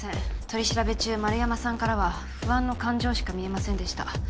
取調中円山さんからは「不安」の感情しか見えませんでした。